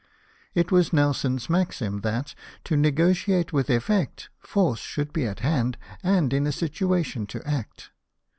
It was Nelson's maxim that, to negotiate with effect, force should be at hand, and in a situation to act.